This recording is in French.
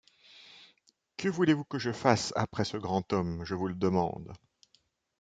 Que voulez-vous que je fasse après ce grand homme, je vous le demande?